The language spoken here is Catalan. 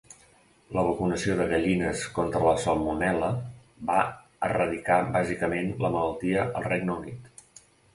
La vacunació de gallines contra la salmonel·la va eradicar bàsicament la malaltia al Regne Unit.